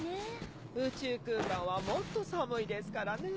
宇宙空間はもっと寒いですからね。